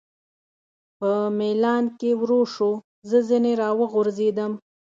په مېلان کې ورو شو، زه ځنې را وغورځېدم.